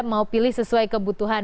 mau pilih sesuai kebutuhan